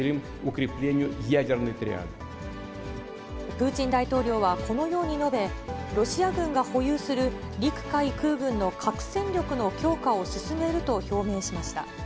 プーチン大統領はこのように述べ、ロシア軍が保有する陸海空軍の核戦力の強化を進めると表明しました。